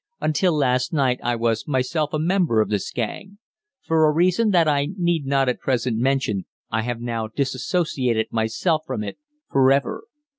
Until last night I was myself a member of this gang; for a reason that I need not at present mention I have now disassociated myself from it for ever.